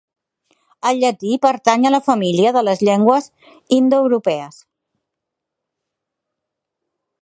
El llatí pertany a la família de les llengües indoeuropees.